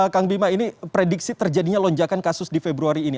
kang bima ini prediksi terjadinya lonjakan kasus di februari ini